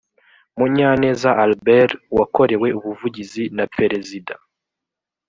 munyaneza albert wakorewe ubuvugizi na perezida